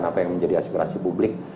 apa yang menjadi aspirasi publik